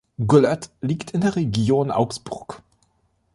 Glött liegt in der Region Augsburg.